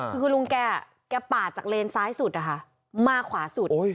คือคุณลุงแกปาดจากเลนซ้ายสุดนะคะมาขวาสุด